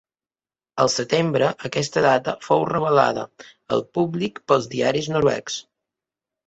Al setembre aquesta dada fou revelada al públic pels diaris noruecs.